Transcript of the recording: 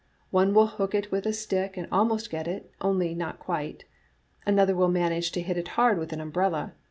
One will hook it with a stick and al most get it, only not quite. Another will manage to hit it hard with an umbrella.